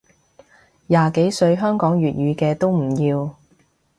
廿幾歲香港粵語嘅唔要